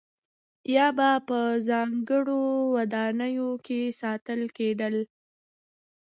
یا به په ځانګړو ودانیو کې ساتل کېدل.